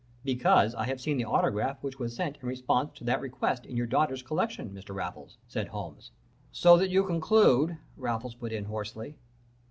"'Because I have seen the autograph which was sent in response to that request in your daughter's collection, Mr. Raffles,' said Holmes. "'So that you conclude ?' Raffles put in, hoarsely.